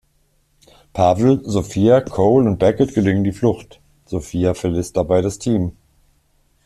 Pavel, Sophia, Cole und Beckett gelingt die Flucht, Sophia verlässt dabei das Team.